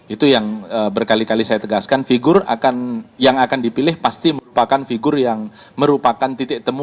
itu yang berkali kali saya tegaskan figur yang akan dipilih pasti merupakan figur yang merupakan titik temu